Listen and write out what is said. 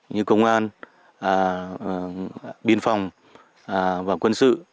như công an biên phòng và quân sự